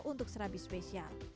untuk serabi spesial